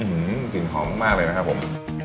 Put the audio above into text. อืมหืมกลิ่นหอมมากเลยนะครับผม